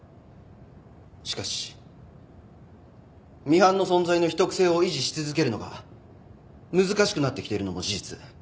しかしミハンの存在の秘匿性を維持し続けるのが難しくなってきてるのも事実。